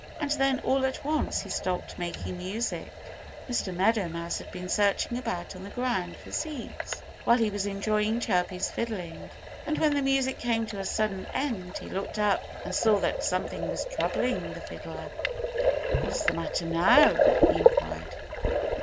And then all at once he stopped making music. Mr. Meadow Mouse had been searching about on the ground for seeds, while he was enjoying Chirpy's fiddling. And when the music came to a sudden end he looked up and saw that something was troubling the fiddler. "What's the matter now?" he inquired.